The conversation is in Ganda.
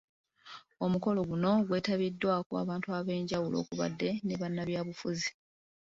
Omukolo guno gwetabiddwako abantu abenjawulo okubadde bannabyabufuzi.